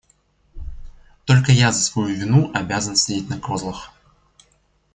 Только я за свою вину обязан сидеть на козлах.